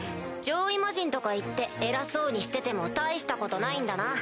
上位魔人とか言って偉そうにしてても大したことないんだな。